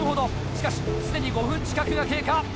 しかしすでに５分近くが経過。